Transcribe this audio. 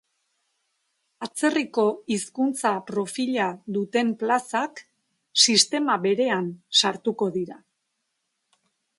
Atzerriko hizkuntza profila duten plazak sistema berean sartuko dira.